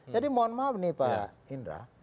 jadi mohon maaf nih pak indra